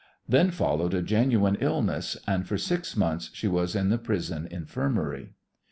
Then followed a genuine illness, and for six months she was in the prison infirmary.